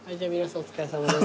お疲れさまです。